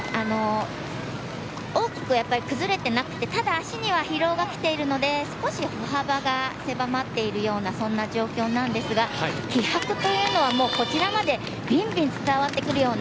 大きく崩れてなくてただ、足には疲労がきているので少し歩幅が狭まっているようなそんな状況なんですが気迫というのはもうこちらまでびんびん伝わってくるような